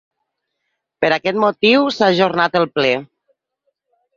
Per aquest motiu s’ha ajornat el ple.